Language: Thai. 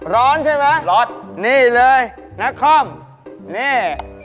ร้อนใช่ไหมร้อนนี่เลยนครนี่